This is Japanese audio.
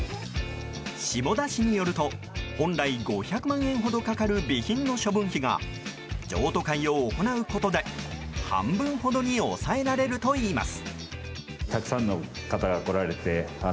下田市によると本来５００万円ほどかかる備品の処分費が譲渡会を行うことで半分ほどに抑えられるといいます。